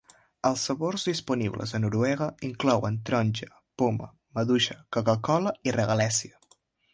Els sabors disponibles a Noruega inclouen taronja, poma, maduixa, coca-cola i regalèssia.